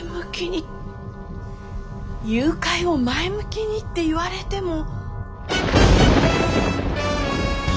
誘拐を前向きにって言われても。